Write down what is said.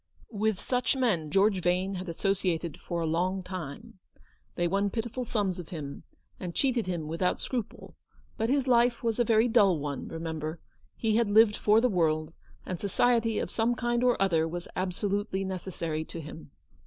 With such men George Vane had associated foi 176 Eleanor's victory. a long time. They won pitiful sums of him, and cheated him without scruple ; but his life was a very dull one, remember; he had lived for the world, and society of some kind or other was absolutely necessary to him.